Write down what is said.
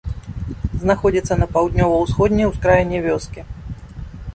Знаходзіцца на паўднёва-ўсходняй ускраіне вёскі.